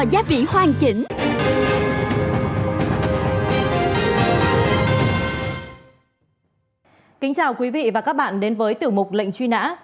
kính chào quý vị và các bạn đến với tiểu mục lệnh truy nã